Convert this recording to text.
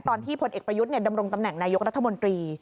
พลเอกประยุทธ์ดำรงตำแหน่งนายกรัฐมนตรี